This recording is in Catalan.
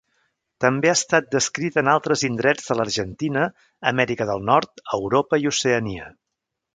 També ha estat descrita en altres indrets de l'Argentina, Amèrica del Nord, Europa i Oceania.